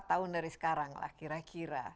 lima tahun dari sekarang lah kira kira